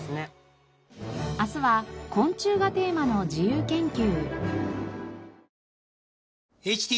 明日は昆虫がテーマの自由研究。